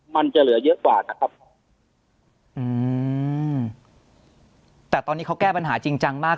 มันจะเหลือเยอะกว่านะครับอืมแต่ตอนนี้เขาแก้ปัญหาจริงจังมาก